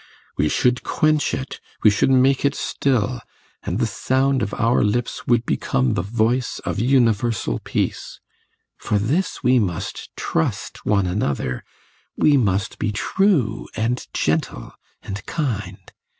We should quench it, we should make it still, and the sound of our lips would become the voice of universal peace! For this we must trust one another, we must be true and gentle and kind.